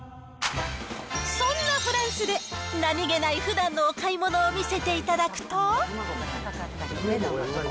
そんなフランスで、何気ないふだんのお買い物を見せていただくと。